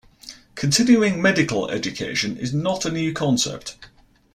Continuing medical education is not a new concept.